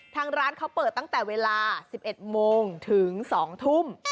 ทางร้านเขาเปิดตั้งแต่เวลา๑๑โมงถึง๒ทุ่ม